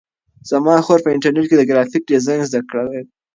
زما خور په انټرنیټ کې د گرافیک ډیزاین زده کړه کوي.